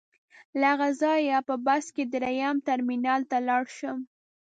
له هغه ځایه په بس کې درېیم ټرمینل ته لاړ شم.